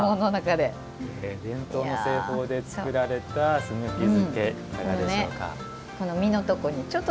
伝統の製法で作られたすぐき漬けいかがでしょうか。